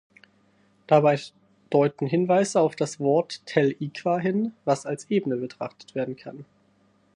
Dabei deuten Hinweise auf das Wort "Tel-i-quah" hin, was als "Ebene" betrachtet werden kann.